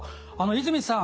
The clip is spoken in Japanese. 泉さん